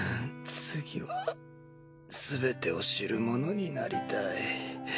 次は全てを知る者になりたい。